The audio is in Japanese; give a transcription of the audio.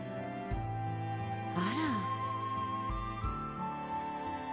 あら。